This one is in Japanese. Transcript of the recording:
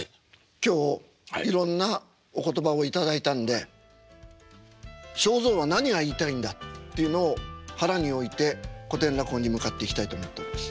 今日いろんなお言葉を頂いたんで正蔵は何が言いたいんだっていうのを腹に置いて古典落語に向かっていきたいと思っております。